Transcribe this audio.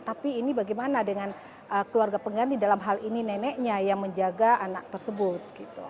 tapi ini bagaimana dengan keluarga pengganti dalam hal ini neneknya yang menjaga anak tersebut